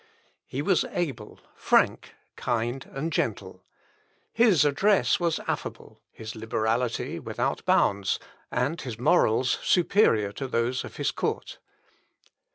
He was able, frank, kind, and gentle. His address was affable, his liberality without bounds, and his morals, superior to those of his court.